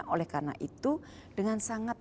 oleh karena itu dengan sangat